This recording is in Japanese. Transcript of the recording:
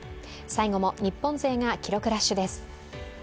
最後も日本勢が記録ラッシュです。